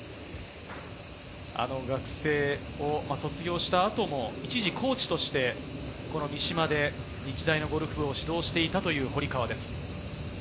卒業した後もコーチとして三島で日大のゴルフ部を指導していたという堀川です。